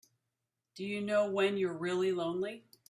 Do you know when you're really lonely?